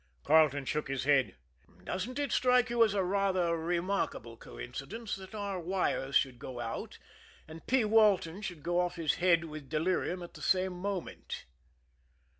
Carleton shook his head. "Doesn't it strike you as a rather remarkable coincidence that our wires should go out, and P. Walton should go off his head with delirium at the same moment?"